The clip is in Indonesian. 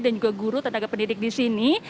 dan juga guru tenaga pendidik di sini